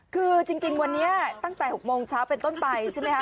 คือจริงวันนี้ตั้งแต่๖โมงเช้าเป็นต้นไปใช่ไหมคะ